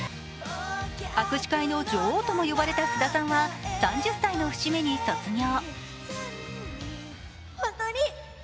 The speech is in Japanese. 握手会の女王とも呼ばれた須田さんは３０歳の節目に卒業。